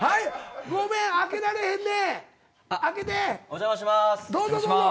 お邪魔します。